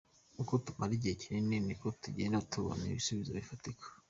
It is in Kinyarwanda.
Uko tumara igihe kinini niko tugenda tubona ibisubizo bifatika.